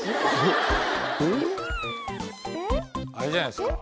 あれじゃないですか？